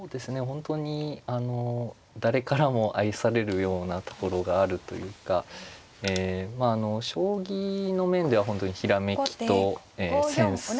本当にあの誰からも愛されるようなところがあるというか将棋の面では本当にひらめきとセンス